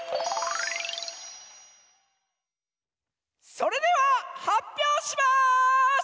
それでははっぴょうします！